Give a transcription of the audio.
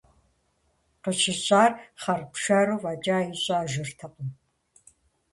Къыщыщӏар хъарпшэру фӏэкӏа ищӏэжыртэкъым.